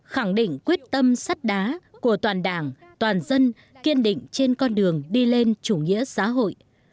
khẳng định quyết tâm sắt đá của toàn đảng toàn dân kiên định trên con đường đi lên chủ nghĩa xã hội